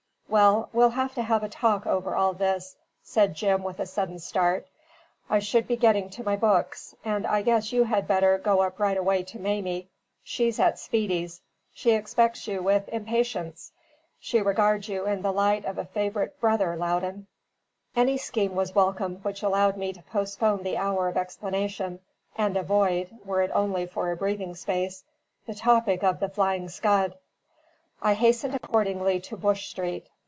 "Well, we'll have to have a talk over all this," said Jim with a sudden start. "I should be getting to my books; and I guess you had better go up right away to Mamie. She's at Speedy's. She expects you with impatience. She regards you in the light of a favourite brother, Loudon." Any scheme was welcome which allowed me to postpone the hour of explanation, and avoid (were it only for a breathing space) the topic of the Flying Scud. I hastened accordingly to Bush Street.